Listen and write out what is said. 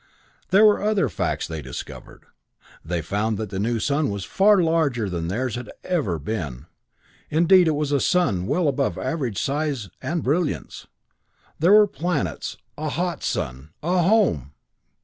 There were other facts they discovered; they found that the new sun was far larger than theirs had ever been; indeed, it was a sun well above average in size and brilliance. There were planets, a hot sun a home!